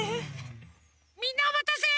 みんなおまたせ！